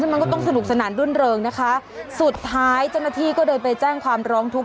มันก็ต้องสนุกสนานรื่นเริงนะคะสุดท้ายเจ้าหน้าที่ก็เดินไปแจ้งความร้องทุกข